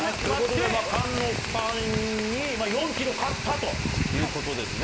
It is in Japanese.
菅野さんに４キロ勝ったということですね。